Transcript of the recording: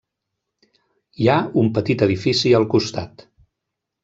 Hi ha un petit edifici al costat.